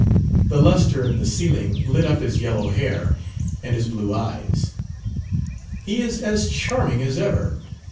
The lustre in the ceiling lit up his yellow hair and his blue eyes: "He is as charming as ever!"